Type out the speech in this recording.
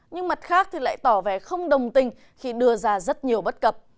nhưng mặt khác thì lại tỏ vẻ không đồng tình khi đưa ra rất nhiều bất cập